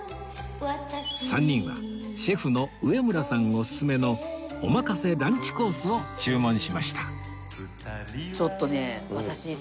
３人はシェフの植村さんオススメのおまかせランチコースを注文しました